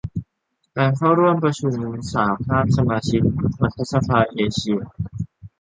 การเข้าร่วมประชุมสหภาพสมาชิกรัฐสภาเอเชีย